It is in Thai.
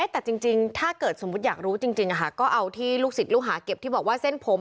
แต่จริงถ้าเกิดสมมุติอยากรู้จริงก็เอาที่ลูกศิษย์ลูกหาเก็บที่บอกว่าเส้นผม